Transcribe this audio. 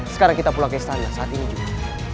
sekarang kita pulang ke istana saat ini juga